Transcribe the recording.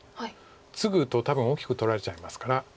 ツグと多分大きく取られちゃいますから。